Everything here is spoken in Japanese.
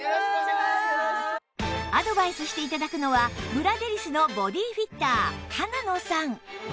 アドバイスして頂くのはブラデリスのボディフィッター花野さん